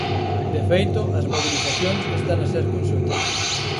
De feito, as mobilizacións están a ser conxuntas.